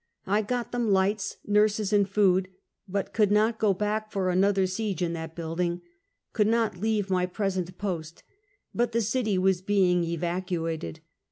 I got them lights, nurses and food, but could not go back for another siege in that building — could not leave mj present post, but the city was being evacuated.